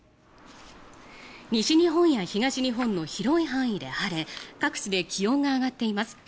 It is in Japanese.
西日本や東日本の広い範囲で晴れ各地で気温が上がっています。